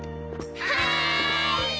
はい！